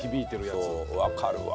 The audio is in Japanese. わかるわ。